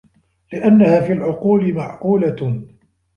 لِأَنَّهَا فِي الْعُقُولِ مَعْقُولَةٌ